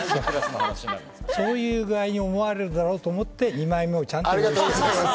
そういう具合に思われるだろうと思って２枚目もちゃんと用意しました。